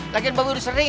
lagi yang bawa udah sering